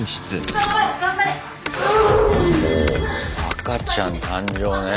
「赤ちゃん誕生」ね。